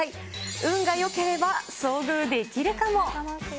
運がよければ遭遇できるかも。